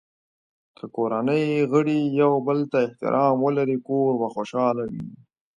که کورنۍ غړي یو بل ته احترام ولري، کور به خوشحال وي.